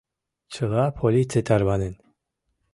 — Чыла полиций тарванен».